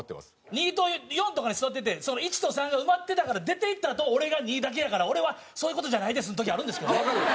２と４とかに座っててその１と３が埋まってたから出ていったあと俺が２だけやから俺はそういう事じゃないですの時あるんですけどね。